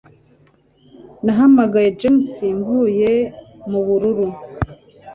Nahamagaye James mvuye mubururu.